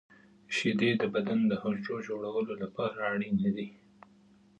• شیدې د بدن د حجرو د جوړولو لپاره اړینې دي.